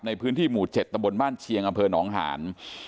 ในพื้นที่หมู่๗ตบบ้านเชียวกน้องฮาน